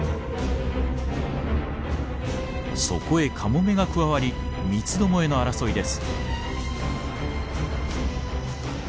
そこへカモメが加わり三つどもえの争いです。